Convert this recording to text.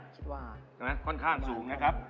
คิดว่าค่อนข้างสูงนะครับ